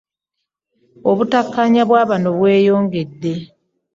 Obutakkaanya bwa bano bweyongedde.